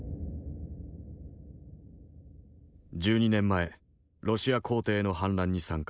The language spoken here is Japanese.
１２年前ロシア皇帝への反乱に参加。